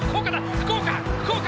福岡福岡！